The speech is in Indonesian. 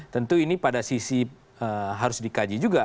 tentu ini pada sisi harus dikaji juga